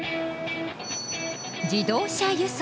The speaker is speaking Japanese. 「自動車輸送」。